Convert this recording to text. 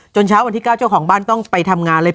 เช้าวันที่๙เจ้าของบ้านต้องไปทำงานเลย